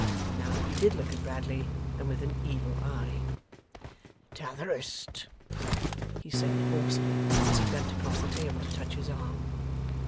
And now he did look at Bradley, and with an evil eye. 'T'otherest!' he said, hoarsely, as he bent across the table to touch his arm.